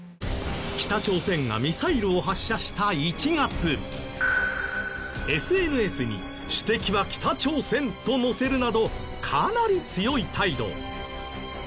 北朝鮮がミサイルを発射した１月ＳＮＳに「主敵は北朝鮮」と載せるなどかなり強い態度。